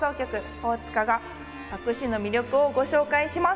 大塚が、佐久市の魅力をご紹介します！